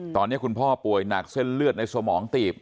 ตอนนี้คุณพ่อป่วยหนักเส้นเลือดในสมองตีบ